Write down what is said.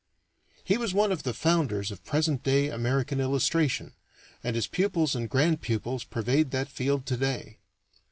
He was one of the founders of present day American illustration, and his pupils and grand pupils pervade that field to day.